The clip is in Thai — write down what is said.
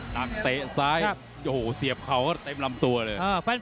นักเตะซ้ายเสียบเข่าก็เต็มลำตัวเลย